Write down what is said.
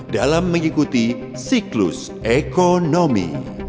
dalam mengikuti siklus ekonomi